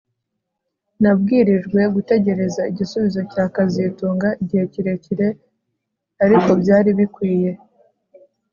Nabwirijwe gutegereza igisubizo cya kazitunga igihe kirekire ariko byari bikwiye